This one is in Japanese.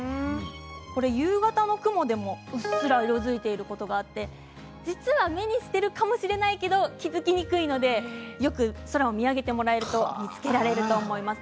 夕方の雲でもうっすら色づいていることがあって実は目にしているかもしれないけれど気付きにくいのでよく空を見上げてもらえると見つけられると思います。